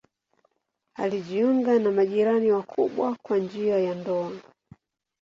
Alijiunga na majirani wakubwa kwa njia ya ndoa.